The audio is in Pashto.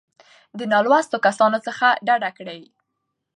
دې نـالـوسـتو کسـانـو څـخـه ډک کـړي.